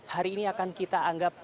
hari ini akan kita anggap